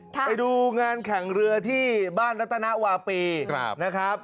ไปดูงานแข่งเรือที่บ้านณตนาอุวาปี